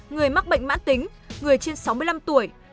người mắc bệnh mãn tính người trên sáu mươi năm tuổi